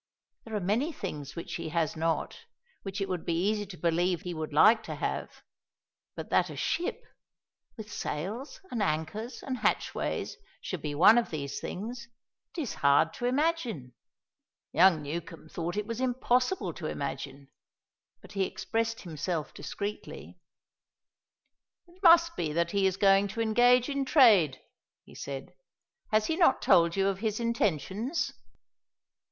There are many things which he has not, which it would be easy to believe he would like to have, but that a ship, with sails and anchors and hatchways, should be one of these things, it is hard to imagine." Young Newcombe thought it was impossible to imagine, but he expressed himself discreetly. "It must be that he is going to engage in trade," he said; "has he not told you of his intentions?"